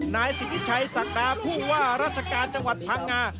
นายศิษย์ชัยศักดาว์พูดว่ารัชกาลจังหวัดพังงา